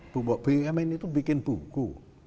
bumn itu bikin buku